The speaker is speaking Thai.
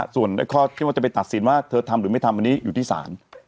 ส่วนข้อที่ว่าจะไปตัดสินว่าเธอทำหรือไม่ทำอันนี้อยู่ที่ศาล